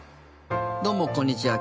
どうもこんにちは。